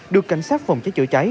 được cảnh sát phòng cháy chợ cháy